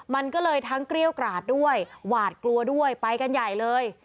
มันก็เลยทั้งเกรี้ยวกราดด้วยหวาดกลัวด้วยไปกันใหญ่เลย